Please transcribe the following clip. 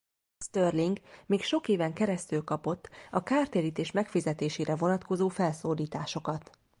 Stirling még sok éven keresztül kapott a kártérítés megfizetésére vonatkozó felszólításokat.